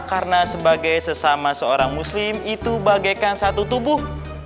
karena sebagai sesama seorang muslim itu bagaikan satu tubuh